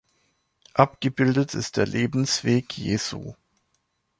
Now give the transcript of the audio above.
Abgebildet ist der Lebensweg Jesu.